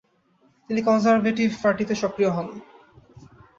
তিনি কনজারভেটিভ পার্টিতে সক্রিয় হন।